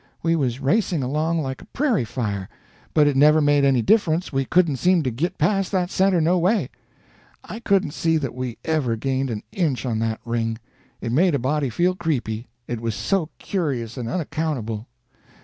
We was racing along like a prairie fire, but it never made any difference, we couldn't seem to git past that center no way. I couldn't see that we ever gained an inch on that ring. It made a body feel creepy, it was so curious and unaccountable.